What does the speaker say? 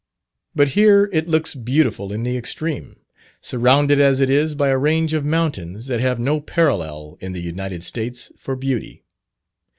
But here it looks beautiful in the extreme, surrounded as it is by a range of mountains that have no parallel in the United States for beauty.